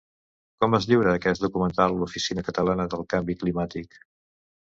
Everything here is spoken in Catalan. Com es lliura aquest document a l'Oficina Catalana del Canvi Climàtic?